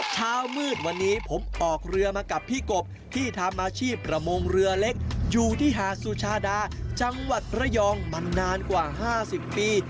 เช้ามืดวันนี้ผมออกเรือมากับพี่กบที่ทำอาชีพประมงเรือเล็กอยู่ที่หาดสุชาดาจังหวัดระยองมานานกว่า๕๐ปี